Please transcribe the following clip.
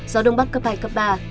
gió đông bắc cấp hai cấp ba